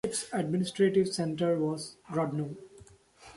Its administrative centre was Grodno.